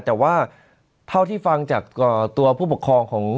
แต่ว่าเท่าที่ฟังจากตัวผู้ปกครองของ